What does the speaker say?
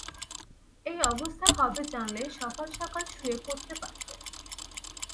এ অবস্থা হবে জানলে সকাল-সকাল শুয়ে পড়তে পারতেন।